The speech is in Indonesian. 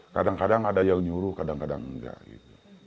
kadang kadang ada yang nyuruh kadang kadang enggak gitu